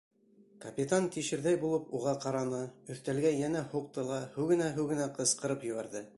Капитан тишерҙәй булып уға ҡараны, өҫтәлгә йәнә һуҡты ла һүгенә-һүгенә ҡысҡырып ебәрҙе: